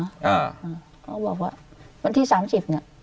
ก็บอกว่าวันที่๓๐เนี่ย